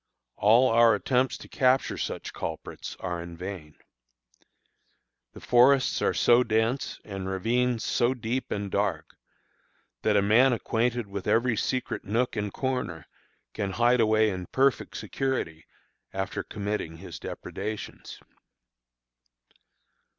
All our attempts to capture such culprits are in vain. The forests are so dense, and ravines so deep and dark, that a man acquainted with every secret nook and corner, can hide away in perfect security, after committing his depredations.